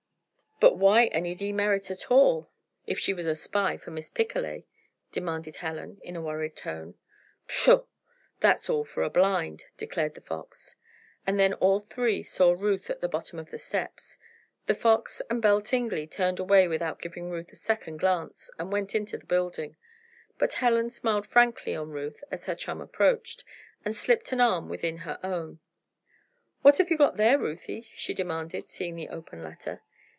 "But why any demerit at all, if she was a spy for Miss Picolet?" demanded Helen, in a worried tone. "Pshaw! that's all for a blind," declared the Fox. And then all three saw Ruth at the bottom of the steps. The Fox and Belle Tingley turned away without giving Ruth a second glance, and went into the building. But Helen smiled frankly on Ruth as her chum approached, and slipped an arm within her own: "What have you got there, Ruthie?" she demanded, seeing the open letter.